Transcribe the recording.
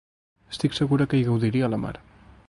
Estic segura que hi gaudiria la mar.